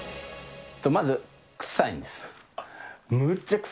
まず、臭いんですよ。